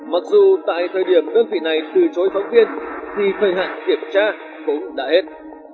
mặc dù tại thời điểm đơn vị này từ chối phóng viên thì thời hạn kiểm tra cũng đã hết